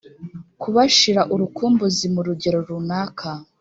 kubashira urukumbuzi mu rugero runaka